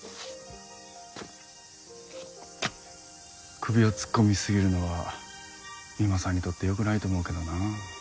首を突っ込みすぎるのは三馬さんにとってよくないと思うけどな。